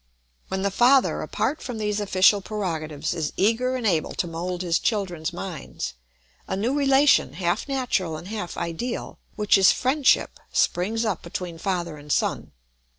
When the father, apart from these official prerogatives, is eager and able to mould his children's minds, a new relation half natural and half ideal, which is friendship, springs up between father and son.